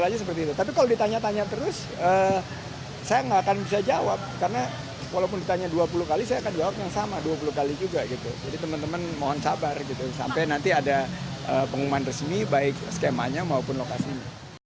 teman teman mohon sabar sampai nanti ada pengumuman resmi baik skemanya maupun lokasinya